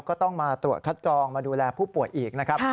ก็ต้องมาตรวจคัดกรองมาดูแลผู้ป่วยอีกนะครับ